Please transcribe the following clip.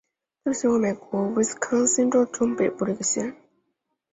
泰勒县是位于美国威斯康辛州中北部的一个县。